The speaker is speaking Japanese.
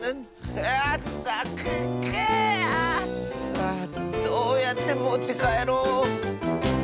ああどうやってもってかえろう。